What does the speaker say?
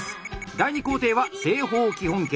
第２工程は正方基本形。